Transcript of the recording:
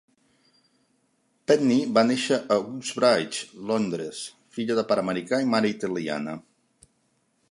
Penny va néixer a Uxbridge, Londres, filla de pare americà i mare italiana.